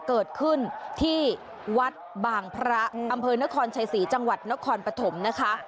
เกิดขึ้นที่วัดบางพระอำเภอนครชัยศรีจังหวัดนครปฐมนะคะ